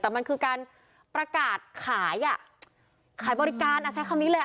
แต่มันคือการประกาศขายอ่ะขายบริการอ่ะใช้คำนี้เลยอ่ะ